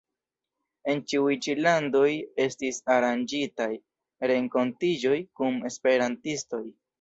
En ĉiuj ĉi landoj estis aranĝitaj renkontiĝoj kun esperantistoj.